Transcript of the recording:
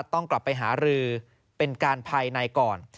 ต้องกลับไปหารือเป็นการภายในก่อน